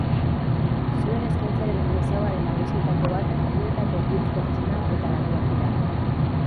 Zuen eskaintzaren ezaugarri nagusietako bat kantuetako hitz pertsonal eta landuak dira.